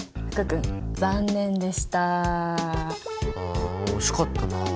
あ惜しかったな。